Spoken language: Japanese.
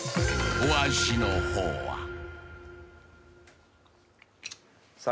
［お味の方は］